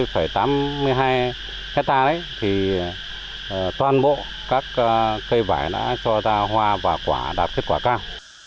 hectare thì toàn bộ các cây vải đã cho ra hoa và đạp kết quả cao